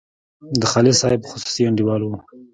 د خالص صاحب خصوصي انډیوال وو.